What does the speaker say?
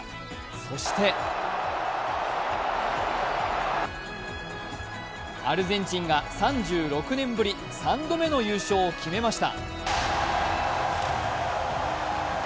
そしてアルゼンチンが３６年ぶり３度目の優勝を決めました。